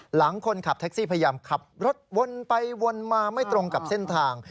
หลังคนขับแท็กซี่พยายามขับรถวนไปวนมาไม่ตรงกับเส้นทาง